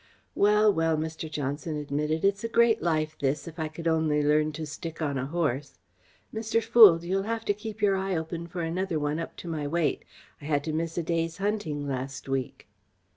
"Well, well," Mr. Johnson admitted, "it's a great life, this, if I could only learn to stick on a horse. Mr. Foulds, you'll have to keep your eye open for another one up to my weight. I had to miss a day's hunting last week."